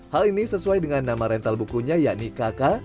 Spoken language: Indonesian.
hal ini sesuai dengan nama rental bukunya yakni kakak